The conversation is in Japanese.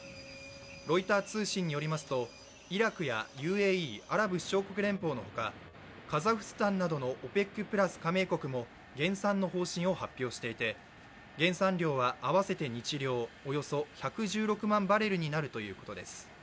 ロイター通信によりますと、イラクやＵＡＥ＝アラブ首長国連邦のほか、カザフスタンなどのＯＰＥＣプラス加盟国も減産の方針を発表していて、減産量は合わせて日量およそ１１６万バレルになるということです